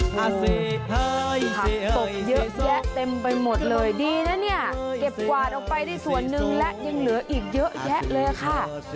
ภาษีผักตกเยอะแยะเต็มไปหมดเลยดีนะเนี่ยเก็บกวาดออกไปได้ส่วนหนึ่งและยังเหลืออีกเยอะแยะเลยค่ะ